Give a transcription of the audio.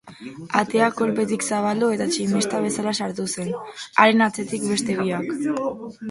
Atea kolpetik zabaldu eta tximista bezala sartu zen, haren atzetik beste biak.